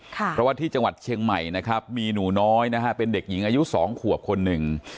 เพราะว่าที่จังหวัดเชียงใหม่นะครับมีหนูน้อยนะฮะเป็นเด็กหญิงอายุ๒ขวบคนหนึ่ง